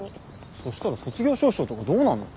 そしたら卒業証書とかどうなんの？